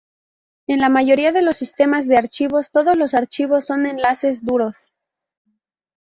En la mayoría de los sistemas de archivos, todos los archivos son enlaces duros.